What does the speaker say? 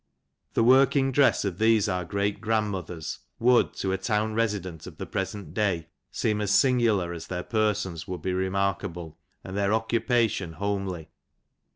*' The working dress of these our great grand mothers would, to a town resident of the present day, seem as singular as their persons would be remarkable, and their occupation homely.